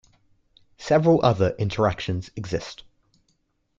Several other interactions exist.